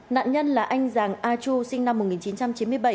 nạn nhân là anh giàng a chu sinh năm một nghìn chín trăm chín mươi bảy